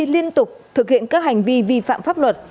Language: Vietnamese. liên tục thực hiện các hành vi vi phạm pháp luật